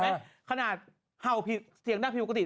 ขนาดเห่าเสียงดังผิดปกติ